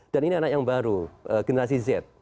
dan ini anak yang baru generasi z